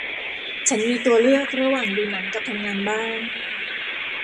ฉันมีตัวเลือกระหว่างดูหนังกับทำงานบ้าน